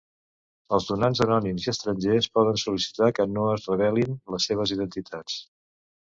Els donants anònims i estrangers poden sol·licitar que no es revelin les seves identitats.